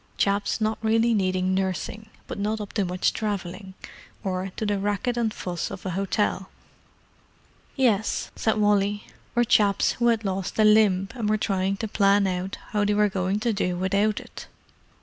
Chaps not really needing nursing, but not up to much travelling, or to the racket and fuss of an hotel." "Yes," said Wally. "Or chaps who had lost a limb, and were trying to plan out how they were going to do without it."